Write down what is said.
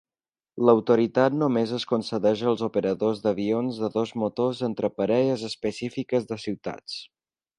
L'autoritat només es concedeix als operadors d'avions de dos motors entre parelles específiques de ciutats.